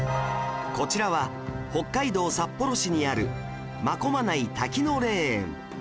こちらは北海道札幌市にある真駒内滝野霊園